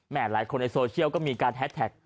หลายคนในโซเชียลก็มีการแฮสแท็ก